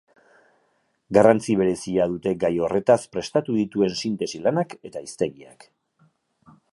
Garrantzi berezia dute gai horretaz prestatu dituen sintesi-lanak eta hiztegiak.